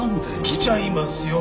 来ちゃいますよ